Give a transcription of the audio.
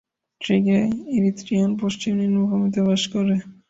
টিগ্রে ইরিত্রিয়ার পশ্চিম নিম্নভূমিতে বাস করে।